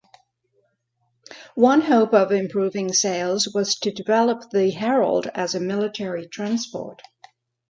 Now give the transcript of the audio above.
One hope of improving sales was to develop the Herald as a military transport.